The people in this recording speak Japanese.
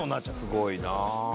「すごいなあ」